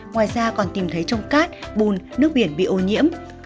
ngoài ra còn tìm thấy trong cát bùn nước biển bị ô nhiễm